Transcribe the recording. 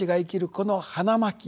この花巻